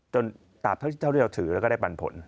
จนตามเท่าที่เจ้าที่เราถือแล้วก็ได้ปันผล